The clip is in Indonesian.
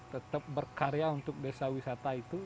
tetap berkarya untuk desa wisata itu